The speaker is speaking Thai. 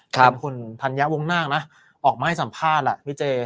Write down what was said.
คุณธัญญาวงธ์นางนะออกมาให้สัมภาษณ์แล้วพี่เจ